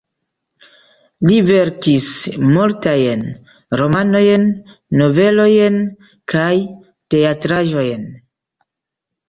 Li verkis multajn romanojn, novelojn kaj teatraĵojn.